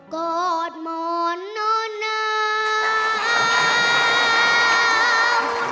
โกรธโหมนหนา